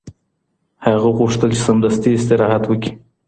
هغه غوښتل چې سمدستي استراحت وکړي.